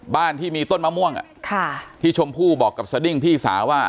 บ้านที่มีต้นมะม่วงพี่ชมพู่บอกกับสดิ้งพี่สาวว่า